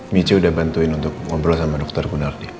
michi udah bantuin untuk ngobrol sama dokter gunardi